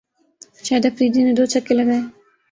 شاہد آفریدی نے دو چھکے لگائے